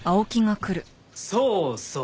そうそう。